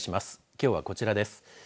きょうは、こちらです。